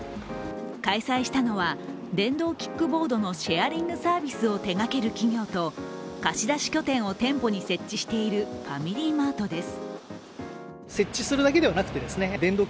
開催したのは電動キックボードのシェアリングサービスを手がける企業と貸し出し拠点を店舗に設置しているファミリーマートです。